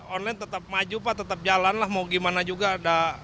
online tetap maju pak tetap jalan lah mau gimana juga